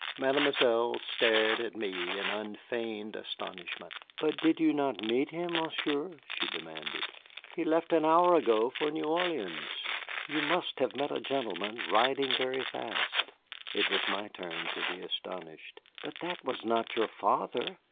Mademoiselle stared at me in unfeigned astonishment. "But did you not meet him, Monsieur?" she demanded. "He left an hour ago for New Orleans. You must have met a gentleman riding very fast." It was my turn to be astonished. "But that was not your father!"